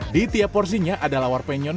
di tiap porsinya ada lawar penyon